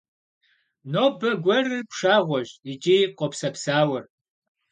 Нобэ гуэрыр пшагъуэщ икӏи къопсэпсауэр.